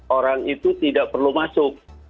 orang itu tidak perlu masuk